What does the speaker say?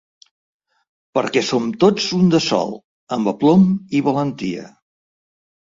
Perquè som tots un de sol, amb aplom i valentia.